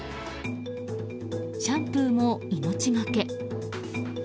シャンプーも命がけ。